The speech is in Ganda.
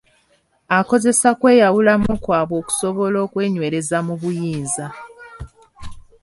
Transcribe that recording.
Akozesa kweyawulamu kwabwe okusobola okwenywereza mu buyinza.